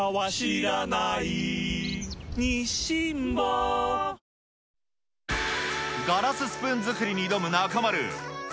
ああ、ガラススプーン作りに挑む中丸。